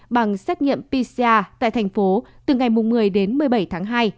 bằng xét nghiệm pcr tại tp hcm từ ngày một mươi đến một mươi bảy tháng hai